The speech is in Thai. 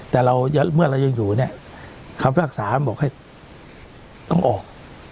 แต่เมื่อเรายังอยู่นี่เขาผยักษาก็บอกให้ก็ออก